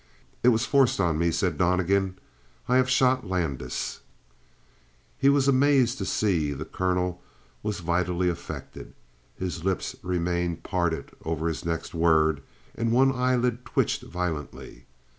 "It was forced on me," said Donnegan. "I have shot Landis." He was amazed to see the colonel was vitally affected. His lips remained parted over his next word, and one eyelid twitched violently.